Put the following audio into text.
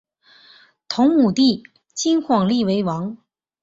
同母弟金晃立为王。